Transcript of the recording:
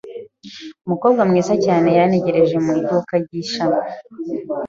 Umukobwa mwiza cyane yantegereje mu iduka ry’ishami.